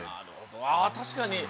あ確かに！